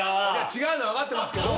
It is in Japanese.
違うの分かってますけど。